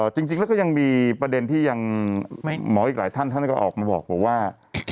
จริงแล้วก็ยังมีประเด็นที่ยังหมออีกหลายท่านท่านก็ออกมาบอกว่า